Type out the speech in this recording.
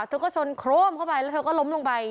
เธอก็ชนโครมเข้าไปแล้วเธอก็ล้มลงไป